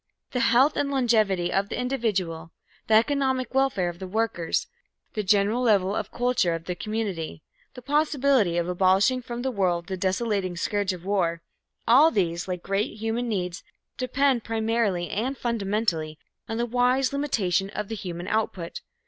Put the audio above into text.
The health and longevity of the individual, the economic welfare of the workers, the general level of culture of the community, the possibility of abolishing from the world the desolating scourge of war all these like great human needs, depend, primarily and fundamentally, on the wise limitation of the human output.